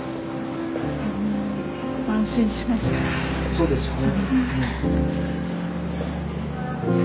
そうですよね。